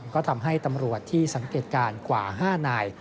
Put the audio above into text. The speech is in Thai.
ก็ทำให้ตำรวจที่สังเกตการณ์กว่า๕นาย